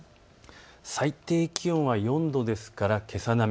最低気温は４度ですからけさ並み。